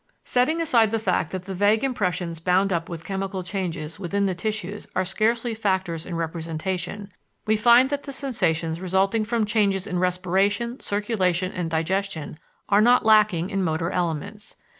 Setting aside the fact that the vague impressions bound up with chemical changes within the tissues are scarcely factors in representation, we find that the sensations resulting from changes in respiration, circulation, and digestion are not lacking in motor elements.